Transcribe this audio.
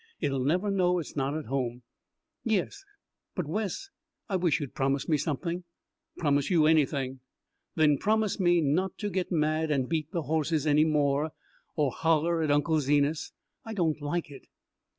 It'll never know it's not at home." "Yes, but, Wes I wish you'd promise me something." "Promise you anything." "Then promise me not to get mad and beat the horses any more or holler at Unc' Zenas. I don't like it."